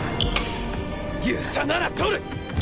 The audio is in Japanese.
遊佐なら取る！